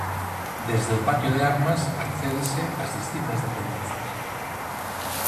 Desde o patio de armas accédese ás distintas dependencias.